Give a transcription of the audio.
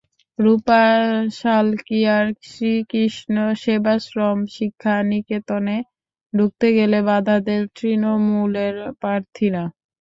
রুপা সালকিয়ার শ্রীকৃষ্ণ সেবাশ্রম শিক্ষা নিকেতনে ঢুকতে গেলে বাধা দেন তৃণমূলের প্রার্থীরা।